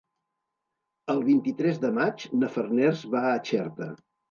El vint-i-tres de maig na Farners va a Xerta.